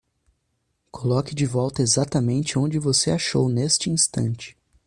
Coloque de volta exatamente onde você achou neste instante.